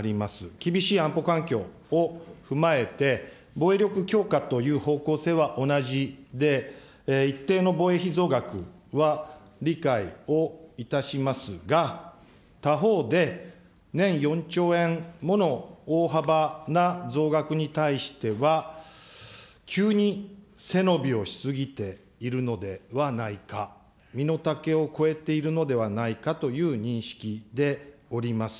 厳しい安保環境を踏まえて、防衛力強化という方向性は同じで、一定の防衛費増額は理解をいたしますが、他方で、年４兆円もの大幅な増額に対しては、急に背伸びをし過ぎているのではないか、身の丈を超えているのではないかという認識でおります。